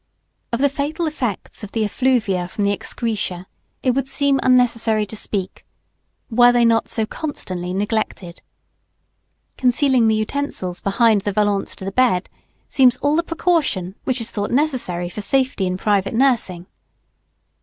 Of the fatal effects of the effluvia from the excreta it would seem unnecessary to speak, were they not so constantly neglected. Concealing the utensils behind the vallance to the bed seems all the precaution which is thought necessary for safety in private nursing.